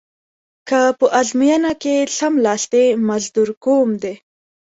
که په ازموینه کې څملاستلې مزدور کوم دې.